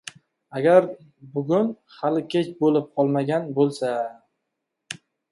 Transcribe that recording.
Agar bugun hali kech bo‘lib qolmagan bo‘lsa…